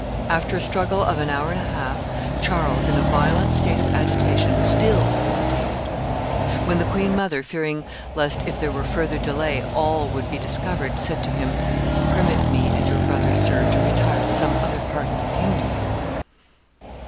After a struggle of an hour and a half, Charles, in a violent state of agitation, still hesitated; when the queen mother, fearing lest, if there were further delay, all would be discovered, said to him, 'Permit me and your brother, sir, to retire to some other part of the kingdom.